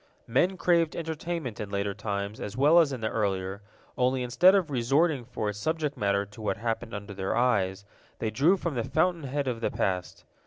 Men craved entertainment in later times as well as in the earlier, only instead of resorting for its subject matter to what happened under their eyes, they drew from the fountain head of the past.